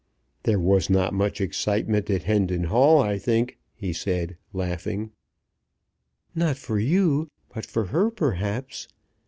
"There was not much excitement at Hendon Hall, I think," he said, laughing. "Not for you, but for her perhaps.